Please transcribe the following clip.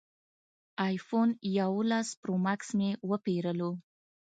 ایفون اوولس پرو ماکس مې وپېرلو